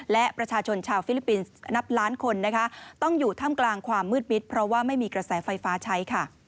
และประชาชนชาวฟิลิปปินส์นับล้านคนนะคะต้องอยู่ท่ามกลางความมืดมิดเพราะว่าไม่มีกระแสไฟฟ้าใช้ค่ะ